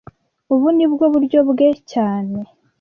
Ubu ni bwo buryo bwe cyane